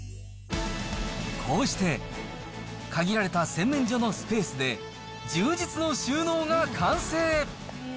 こうして、限られた洗面所のスペースで、充実の収納が完成。